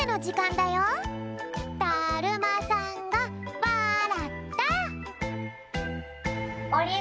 だるまさんがわらった！